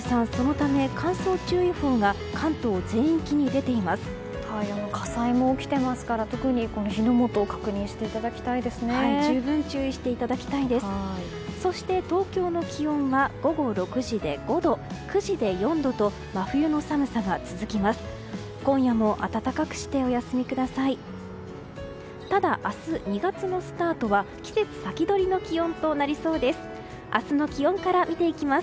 そして東京の気温は午後６時で５度、９時で４度と真冬の寒さが続きます。